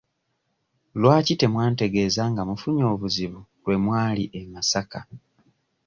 Lwaki temwantegeeza nga mufunye obuzibu lwe mwali e Masaka?